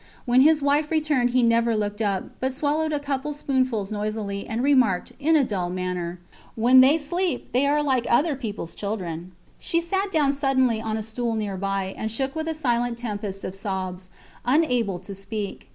When his wife returned he never looked up, but swallowed a couple of spoonfuls noisily, and remarked, in a dull manner When they sleep they are like other peoples children. She sat down suddenly on a stool near by, and shook with a silent tempest of sobs, unable to speak.